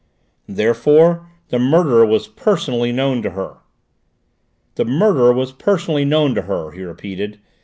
Therefore the murderer was personally known to her!" "The murderer was personally known to her," he repeated.